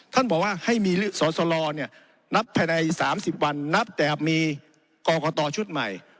ท่านบอกว่าให้มีสอสลเนี่ย